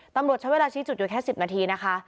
ตำรวจใช้เวลาชี้จุดอยู่แค่๑๐นาทีนะคะ